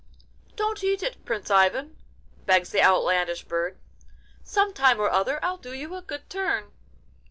'Don't eat it, Prince Ivan!' begs the outlandish bird; 'some time or other I'll do you a good turn.